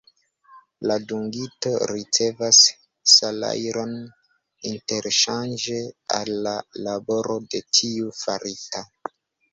La dungito ricevas salajron interŝanĝe al la laboro de tiu farita.